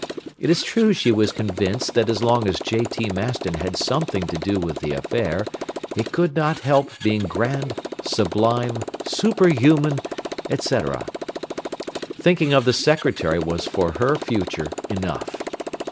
It is true she was convinced that as long as J.T. Maston had something to do with the affair it could not help being grand, sublime, superhuman, etc. Thinking of the Secretary was for her future enough.